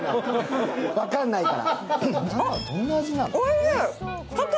分からないから。